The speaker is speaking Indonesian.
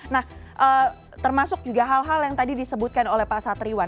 nah termasuk juga hal hal yang tadi disebutkan oleh pak satriwan